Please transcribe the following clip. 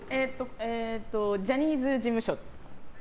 ジャニーズ事務所。